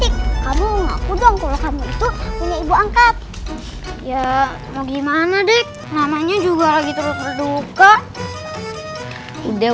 kamu ngaku dong kalau kamu itu punya ibu angkat ya mau gimana dik namanya juga lagi terduka udah udah